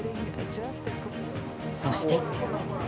そして。